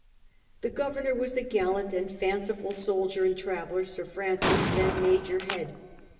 The governor was the gallant and fanciful soldier and traveller, Sir Francis, then Major, Head.